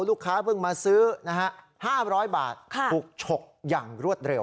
ลูกค้าเพิ่งมาซื้อนะฮะห้าร้อยบาทค่ะปลุกฉกอย่างรวดเร็ว